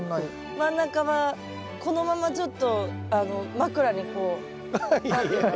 真ん中はこのままちょっと枕にこう何て言うんだろ。